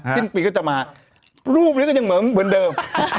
สิ้นปีก็จะมารูปนี้ก็ยังเหมือนเดิม